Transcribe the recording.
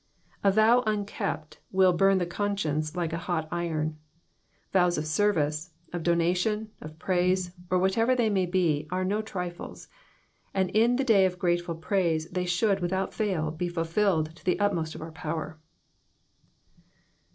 A vow unkept will burn the conscience like a hot iron. Vows of service, of donation, of praise, or whatever they may be, are no trifles : and in the day of grateful praise they should, without fail, be fulfilled to the utmost of our power.